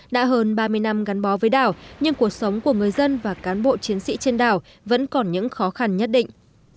đã hơn ba mươi năm gắn bó với đảo nhưng cuộc sống của người dân và cán bộ chiến sĩ trên đảo vẫn còn những khó khăn nhất định